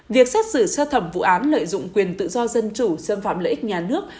việc xét xử sơ thẩm vụ án lợi dụng quyền tự do dân chủ xâm phạm lợi ích nhà nước